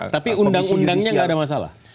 tapi undang undangnya gak ada masalah